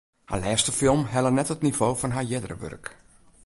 Har lêste film helle net it nivo fan har eardere wurk.